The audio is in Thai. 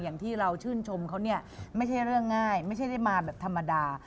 อย่างที่เราชื่นชมเขาเนี่ยไม่ใช่เรื่องง่ายไม่ใช่ได้มาแบบธรรมดา